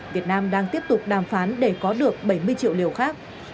việt nam đang tiếp tục đàm phán để có được bảy mươi triệu liều khác